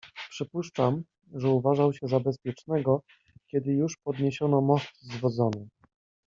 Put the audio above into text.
"Przypuszczam, że uważał się za bezpiecznego, kiedy już podniesiono most zwodzony."